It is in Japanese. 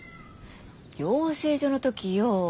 養成所の時よ。